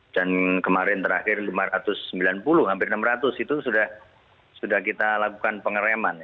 dan kemarin terakhir lima ratus sembilan puluh hampir enam ratus itu sudah kita lakukan pengereman